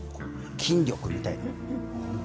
筋力みたいな。